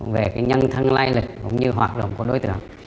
về nhân thân lai lịch cũng như hoạt động của đối tượng